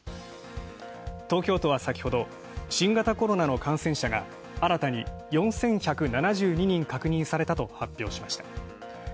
東京都は先ほど、新型コロナの感染者が新たに４１７２人確認されたと発表しました。